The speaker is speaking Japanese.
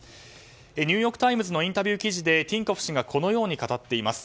ニューヨーク・タイムズのインタビュー記事でティンコフ氏がこのように語っています。